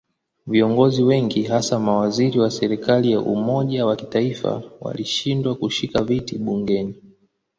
Viongozi wengi hasa mawaziri wa serikali ya umoja wa kitaifa walishindwa kushika viti bungeni.